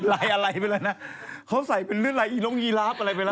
หลายอะไรไปเลยนะเค้าใส่เป็นเลือดลายอียล้องอีลาฟอะไรไปเลย